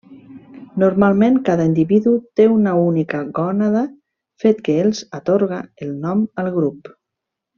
Normalment cada individu té una única gònada, fet que els atorga el nom al grup.